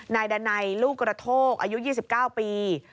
นายดันัยลูกกระโทกอายุ๒๙ปี